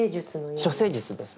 処世術ですね。